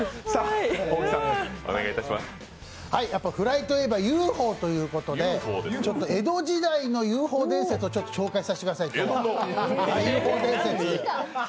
やっぱフライといえばＵＦＯということで江戸時代のＵＦＯ伝説を紹介させてください。